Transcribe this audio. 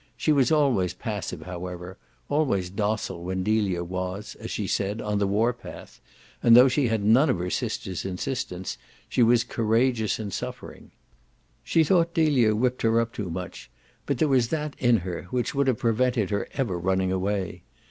She was always passive, however, always docile when Delia was, as she said, on the war path, and though she had none of her sister's insistence she was courageous in suffering. She thought Delia whipped her up too much, but there was that in her which would have prevented her ever running away.